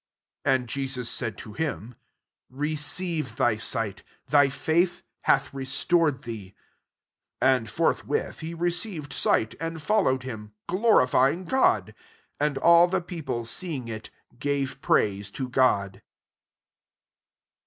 42 And Je sus said to him, '< Receive thy sight; thy faith hath restored thee." 43 And forthwith he received sight, and followed bim, glorifying God: and all the people, seeing iV, gave praise to God.